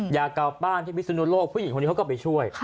อยากกลับบ้านที่มิสินโลกผู้หญิงเขาก็ไปช่วย